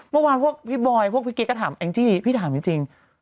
เมื่อวานพวกพี่บอยล์พวกพี่เกตก็ถามอังกฤษที่ดีพี่ถามจริงหรือกัน